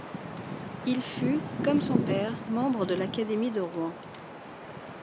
Il fut, comme son père, membre de l’Académie de Rouen.